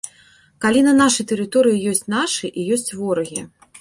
Калі на нашай тэрыторыі ёсць нашы і ёсць ворагі.